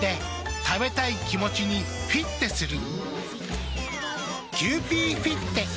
食べたい気持ちにフィッテする。